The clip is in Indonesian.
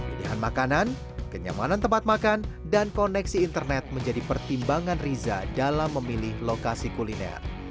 pilihan makanan kenyamanan tempat makan dan koneksi internet menjadi pertimbangan riza dalam memilih lokasi kuliner